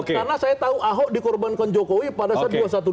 karena saya tahu ahok dikorbankan jokowi pada saat dua ratus dua belas